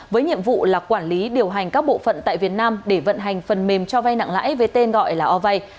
với nhiệm vụ là quản lý điều hành các bộ phận tại việt nam để vận hành phần mềm cho vay nặng lãi với tên gọi là obay